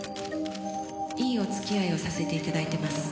「いいお付き合いをさせて頂いてます」